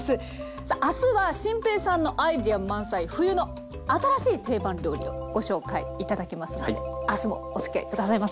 さあ明日は心平さんのアイデア満載冬の新しい定番料理をご紹介頂きますので明日もおつきあい下さいませ。